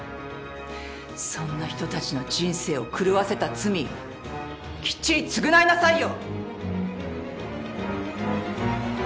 そんな人たちの人生を狂わせた罪きっちり償いなさいよ！